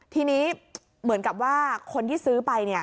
ทีนี้เหมือนกับว่าคนที่ซื้อไปเนี่ย